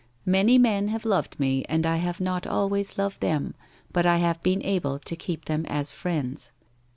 ' Many men have loved me, and I have not always loved them, but I have been able to keep them as friends.